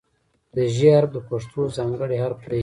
د "ژ" حرف د پښتو ځانګړی حرف دی.